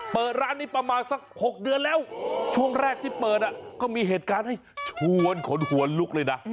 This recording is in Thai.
เปิดร้านนี้ประมาณสัก๖เดือนแล้วช่วงแรกที่เปิดก็มีเหตุการณ์ให้ชวนขนหัวลุกเลยนะ